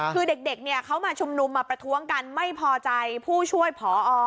คือเด็กเนี่ยเขามาชุมนุมมาประท้วงกันไม่พอใจผู้ช่วยพอ